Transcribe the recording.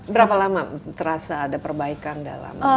berapa lama terasa ada perbaikan dalam